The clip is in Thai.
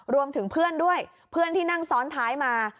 รวมถึงเพื่อนด้วยเพื่อนที่นั่งซ้อนท้ายมา